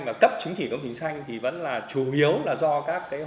và cấp chính trị công trình xanh thì vẫn là chủ yếu là do các hội nghề nghiệp